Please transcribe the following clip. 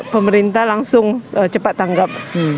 pemerintah langsung cepat tanggap